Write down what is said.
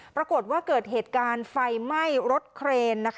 ปรากฏว่าเกิดเหตุการณ์ไฟไหม้รถเครน